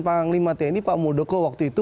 panglima tni pak muldoko waktu itu